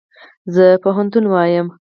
زه پوهنتون وایم